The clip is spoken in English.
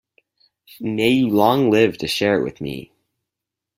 May you long live to share it with me!